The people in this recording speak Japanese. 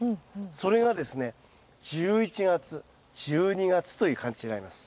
それがですね１１月１２月という感じになります。